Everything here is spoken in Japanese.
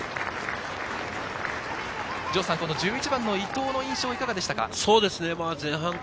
１１番の伊東の印象いかがでしたか？